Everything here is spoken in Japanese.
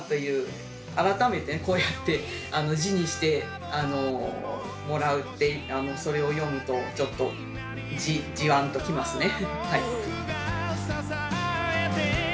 改めてこうやって字にしてもらってそれを読むとちょっとじわんときますねはい。